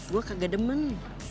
gua kagak demen